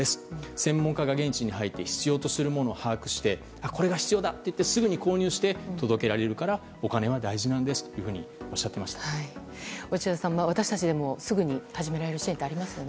専門家が現地に入って必要なものを把握してこれが必要だといってすぐに購入して届けられるからお金は大事なんですと落合さん、私たちでもすぐに始められる支援はありますよね。